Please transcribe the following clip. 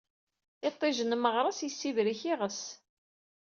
Iṭij n meɣres, yessibrik iɣes.